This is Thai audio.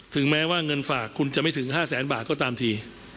แม้ว่าเงินฝากคุณจะไม่ถึง๕แสนบาทก็ตามที